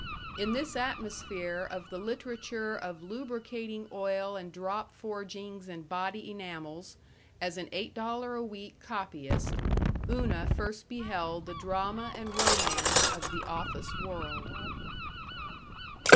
In this atmosphere of the literature of lubricating oil and drop forgings and body enamels, as an eight dollar a week copyist, Una first beheld the drama and romance of the office world.